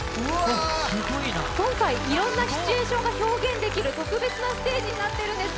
今回、いろんなシチュエーションが表現できる特別なステージになっているんです。